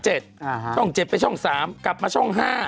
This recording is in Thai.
ช่อง๗ไปช่อง๓กลับมาช่อง๕